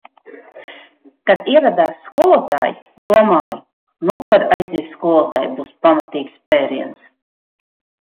"Kad ieradās skolotāja, domāju "Nu, kad aizies skolotāja, būs pamatīgs pēriens"."